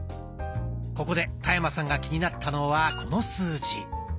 ここで田山さんが気になったのはこの数字。